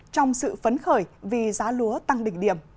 trong sự phấn khởi vì giá lúa tăng đỉnh điểm